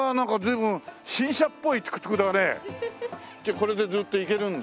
これでずっと行けるんだ。